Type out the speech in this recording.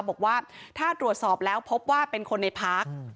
บอกว่าถ้าตรวจสอบแล้วพบว่าเป็นคนในพัก